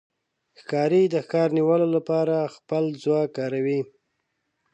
ښکاري د ښکار د نیولو لپاره خپل ځواک کاروي.